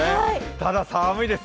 ただ、寒いです。